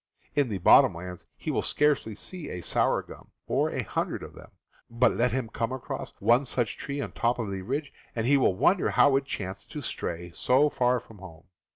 In the bottom lands he will scarcely see a sour gum, or a hundred of them; but let him come across one such tree on top of the ridge, and he will wonder how it chanced to stray so far from home.